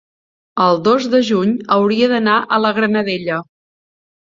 el dos de juny hauria d'anar a la Granadella.